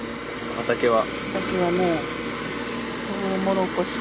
畑は。